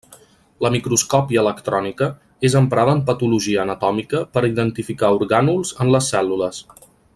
La microscòpia electrònica és emprada en patologia anatòmica per identificar orgànuls en les cèl·lules.